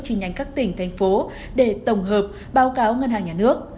chi nhánh các tỉnh thành phố để tổng hợp báo cáo ngân hàng nhà nước